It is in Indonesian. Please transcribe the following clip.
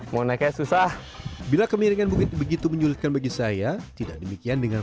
mone dove susah bila kemiringan jabat begitu menyulitkan bagi saya tidak demikian dengan